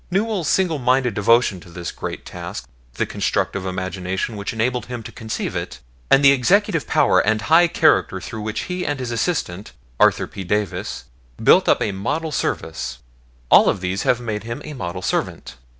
Newell's single minded devotion to this great task, the constructive imagination which enabled him to conceive it, and the executive power and high character through which he and his assistant, Arthur P. Davis, built up a model service all these have made him a model servant.